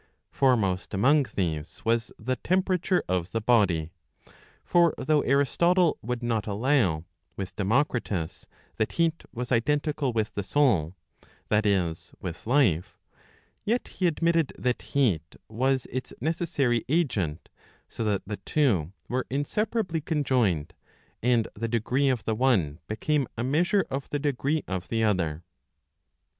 Foremost among these was the temperature of the body. For though Aristotle would not allow,* with Democritus, that heat was identical with the soul, that is, with life, yet he admitted that heat was its necessary agent, so that the two were inseparably conjoined, and the degree of the one became a measure of the degree of the other.